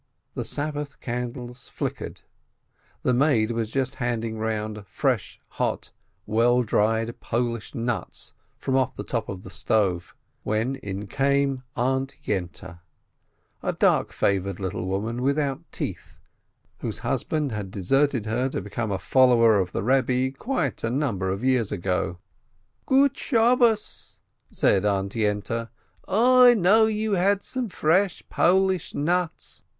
The Sabbath candles flickered, the maid was just handing round fresh, hot, well dried Polish nuts from off the top of the stove, when in came Aunt Yente, a dark favored little woman without teeth, whose husband had deserted her, to become a follower of the Eebbe, quite a number of years ago. "Good Sabbath !" said Aunt Yente, "I knew you had some fresh Polish nuts.